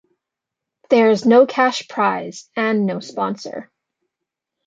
There is no cash prize and no sponsor.